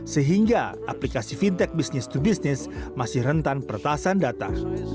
sehingga aplikasi fintech business to business masih rentan pertahasan data